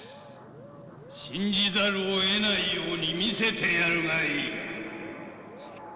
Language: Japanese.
「信じざるをえないように見せてやるがいい」。